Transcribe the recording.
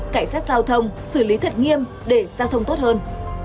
cảnh sát giao thông xử lý thật nghiêm để giao thông tốt hơn